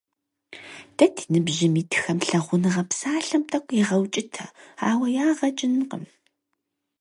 Дэ ди ныбжьым итхэр «лъагъуныгъэ» псалъэм тӀэкӀу егъэукӀытэ, ауэ ягъэ кӀынкъым.